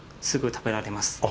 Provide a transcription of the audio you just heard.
すぐ食べられます。